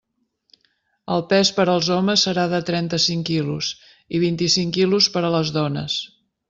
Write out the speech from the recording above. El pes per als homes serà de trenta-cinc quilos i vint-i-cinc quilos per a les dones.